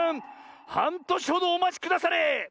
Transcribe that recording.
はんとしほどおまちくだされ！